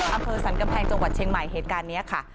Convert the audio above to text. อำเภอสรรกำแพงจังหวัดเชียงใหม่เหตุการณ์นี้ค่ะ